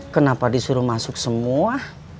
kenapa disuruh masuk semua